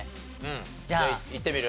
じゃあいってみる？